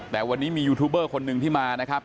แต่วันนี้มียูทูบเบอร์คนหนึ่งที่มานะครับ